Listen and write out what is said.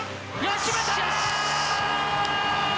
決めた！